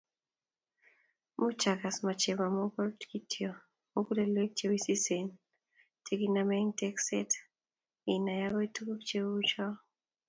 Much agas machebo mugul kityo, mugulelwek chewisisen cheginame eng tekset, inay ago tuguk cheuchoe